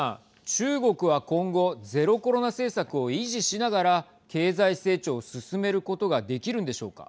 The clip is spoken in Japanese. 中国は今後ゼロコロナ政策を維持しながら経済成長を進めることができるんでしょうか。